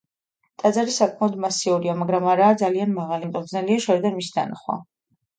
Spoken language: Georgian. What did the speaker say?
ტაძარი საკმაოდ მასიურია, მაგრამ არაა ძალიან მაღალი, ამიტომ ძნელია შორიდან მისი დანახვა.